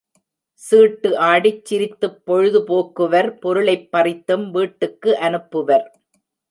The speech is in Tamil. சீட்டு ஆடிச் சிரித்துப் பொழுதுபோக்குவர் பொருளைப் பறித்தும் வீட்டுக்கு அனுப்புவர்.